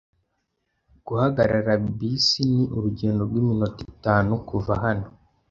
Guhagarara bisi ni urugendo rw'iminota itanu kuva hano.